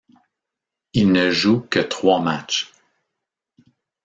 Il ne joue que trois matchs.